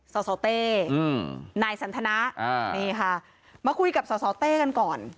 สาวเต้นายสันทนามาคุยกับสาวเต้กันก่อน